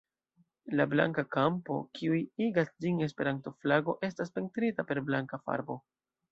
La blanka kampo, kiuj igas ĝin Esperanto-flago, estas pentrita per blanka farbo.